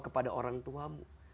kepada orang tuamu